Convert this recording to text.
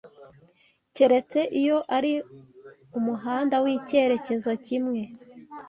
keretse iyo ari umuhanda w'icyerekezo kimwe